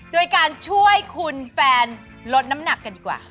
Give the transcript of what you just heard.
โดยการช่วยคุณแฟนลดน้ำหนักกันดีกว่า